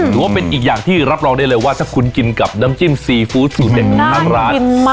ถือว่าเป็นอีกอย่างที่รับรองได้เลยว่าถ้าคุณกินกับน้ำจิ้มซีฟู้ดสูตรเด็ดของทางร้าน